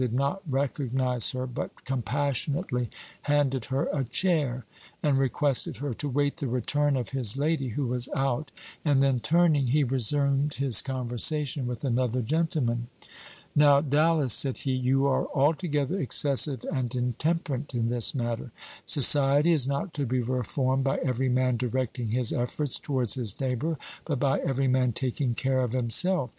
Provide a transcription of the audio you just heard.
did not recognize her, but compassionately handed her a chair, and requested her to wait the return of his lady, who was out; and then turning, he resumed his conversation with another gentleman. "Now, Dallas," said he, "you are altogether excessive and intemperate in this matter. Society is not to be reformed by every man directing his efforts towards his neighbor, but by every man taking care of himself.